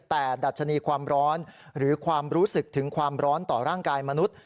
แต่ดัชนีความร้อนหรือความรู้สึกถึงความร้อนต่อร่างกายมนุษย์